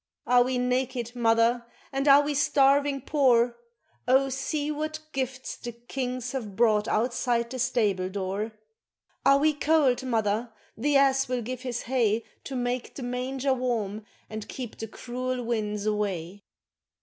Are we naked, mother, and are we starving poor Oh, see what gifts the kings have brought outside the stable door, Are we cold, mother, the ass will give his hay To make the manger warm and keep the cruel winds away.